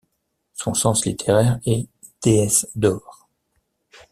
Son sens littéraire est “Déesse d’Or”.